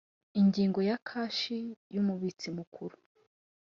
Ingingo ya kashi y umubitsi mukuru